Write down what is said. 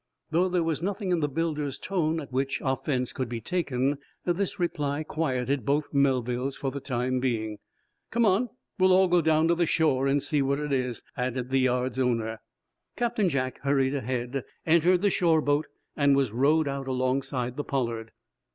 Though there was nothing in the builder's tone at which offense could be taken, this reply quieted both Melvilles for the time being. "Come on. We'll all go down to the shore and see what it is," added the yard's owner. Captain Jack hurried ahead, entered the shore boat and was rowed out alongside the "Pollard."